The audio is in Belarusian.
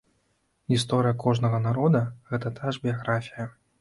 Гісторыя кожнага народа, гэта тая ж біяграфія.